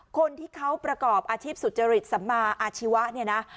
คนที่เขาประกอบอาชีพสุจริตสัมมาอาชีวะเนี่ยนะ